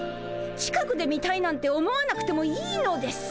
近くで見たいなんて思わなくてもいいのです。